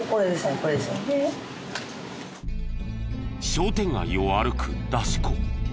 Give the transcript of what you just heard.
商店街を歩く出し子。